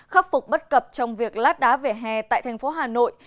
khắc phục bất cập trong việc lát đá vỉa hè tại thành phố hà nội